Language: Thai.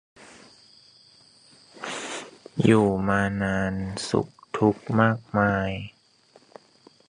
อยู่มานานสุขทุกข์มากมาย